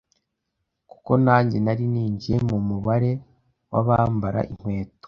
kuko nanjye nari ninjiye mu mubare w’abambara inkweto!!!